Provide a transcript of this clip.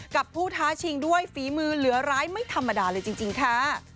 กับผู้ท้าชิงด้วยฝีมือเหลือร้ายไม่ธรรมดาเลยจริงค่ะ